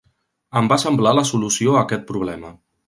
Em va semblar la solució a aquest problema.